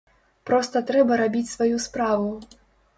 Проста трэба рабіць сваю справу.